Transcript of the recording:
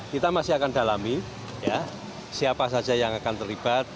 kita masih akan dalami siapa saja yang akan terlibat